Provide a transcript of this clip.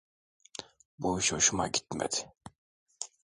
Bu iş hoşuma gitmedi.